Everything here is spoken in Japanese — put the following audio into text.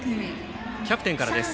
キャプテンからです。